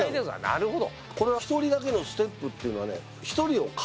なるほど。